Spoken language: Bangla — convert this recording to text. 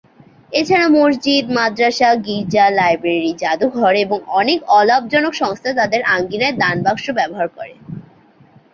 এছাড়া মসজিদ, মাদ্রাসা, গির্জা, লাইব্রেরি, জাদুঘর, এবং অনেক অলাভজনক সংস্থা তাদের আঙিনায় দান বাক্স ব্যবহার করে।